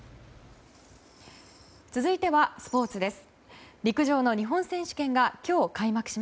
続いてはスポーツです。